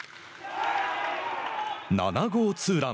７号ツーラン。